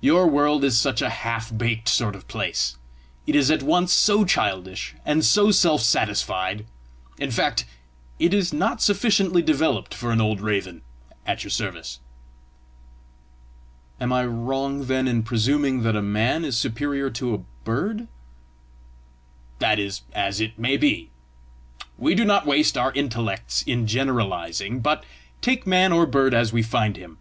Your world is such a half baked sort of place, it is at once so childish and so self satisfied in fact, it is not sufficiently developed for an old raven at your service!" "Am I wrong, then, in presuming that a man is superior to a bird?" "That is as it may be. We do not waste our intellects in generalising, but take man or bird as we find him.